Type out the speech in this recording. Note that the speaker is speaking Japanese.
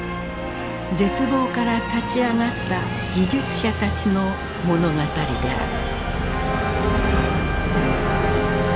絶望から立ち上がった技術者たちの物語である。